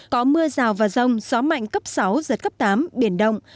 có mưa rào và rông gió mạnh cấp sáu giật cấp tám biển động